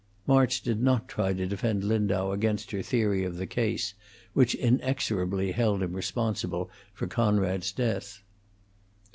March did not try to defend Lindau against her theory of the case, which inexorably held him responsible for Conrad's death.